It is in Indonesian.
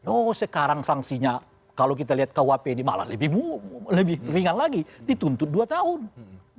oh sekarang sanksinya kalau kita lihat kuhp ini malah lebih ringan lagi dituntut dua tahun